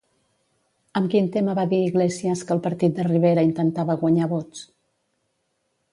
Amb quin tema va dir Iglesias que el partit de Rivera intentava guanyar vots?